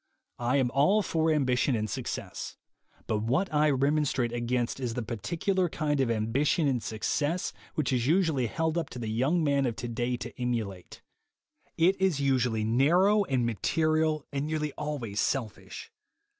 I am all for ambition and success, but what I remonstrate against is the particular kind of ambi tion and success which is usually held up to the young man of today to emulate. It is usually narrow and material, and nearly always selfish.